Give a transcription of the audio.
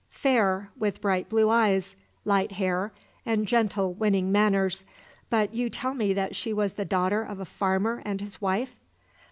Fair, with bright blue eyes, light hair, and gentle, winning manners; but you tell me that she was the daughter of a farmer and his wife?"